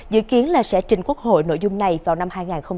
dự kiến sẽ trình quốc hội nội dung này vào năm hai nghìn hai mươi bốn